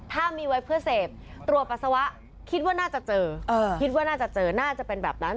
ถ้ามีไว้เพื่อเสพตรวจปัสสาวะคิดว่าน่าจะเจอคิดว่าน่าจะเจอน่าจะเป็นแบบนั้น